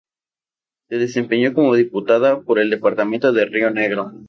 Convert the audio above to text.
Se desempeña como diputada por el departamento de Río Negro.